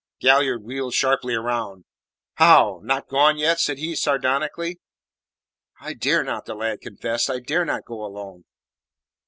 Galliard wheeled sharply round. "How? Not gone yet?" said he sardonically. "I dare not," the lad confessed. "I dare not go alone."